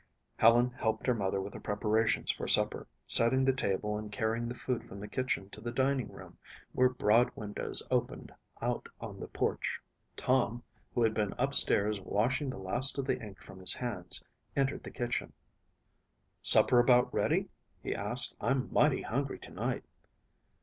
Helen helped her mother with the preparations for supper, setting the table and carrying the food from the kitchen to the dining room where broad windows opened out on the porch. Tom, who had been upstairs washing the last of the ink from his hands, entered the kitchen. "Supper about ready?" he asked. "I'm mighty hungry tonight."